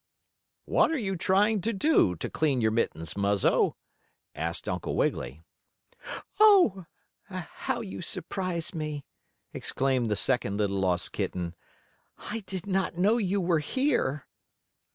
"What are you trying to do to clean your mittens, Muzzo?" asked Uncle Wiggily. "Oh, how you surprised me!" exclaimed the second little lost kitten. "I did not know you were here."